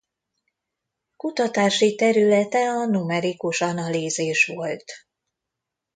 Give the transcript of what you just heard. Kutatási területe a numerikus analízis volt.